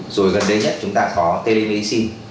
rồi gần đây nhất chúng ta có telemedicine